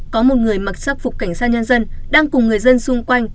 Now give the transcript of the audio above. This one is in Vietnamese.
có một người mặc sắc phục cảnh sát nhân dân đang cùng người dân xung quanh